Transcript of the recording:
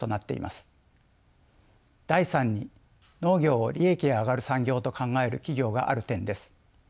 第３に農業を利益が上がる産業と考える企業がある点です。